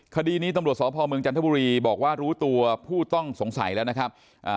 คดีนี้ตำรวจสพเมืองจันทบุรีบอกว่ารู้ตัวผู้ต้องสงสัยแล้วนะครับ